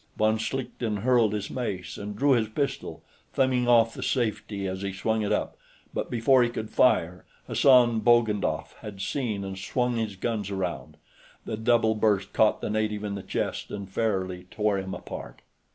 Von Schlichten hurled his mace and drew his pistol, thumbing off the safety as he swung it up, but before he could fire, Hassan Bogdanoff had seen and swung his guns around; the double burst caught the native in the chest and fairly tore him apart.